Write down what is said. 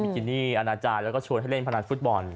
กินี่อาณาจารย์แล้วก็ชวนให้เล่นพนันฟุตบอล